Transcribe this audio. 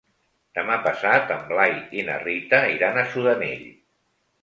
Demà passat en Blai i na Rita iran a Sudanell.